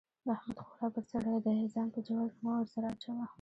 احمد خورا بد سړی دی؛ ځان په جوال کې مه ور سره اچوه.